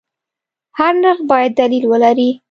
هر نرخ باید دلیل ولري.